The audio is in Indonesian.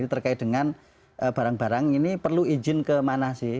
terkait dengan barang barang ini perlu izin kemana sih